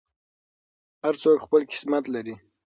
هر څوک خپل قسمت لري.